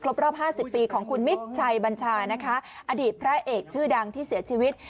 รอบ๕๐ปีของคุณมิตรชัยบัญชานะคะอดีตพระเอกชื่อดังที่เสียชีวิต